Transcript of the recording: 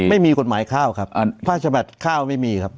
ไม่มีกฎหมายข้าวครับภาคฉบับข้าวไม่มีครับ